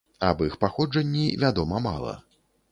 Аб іх паходжанні вядома мала.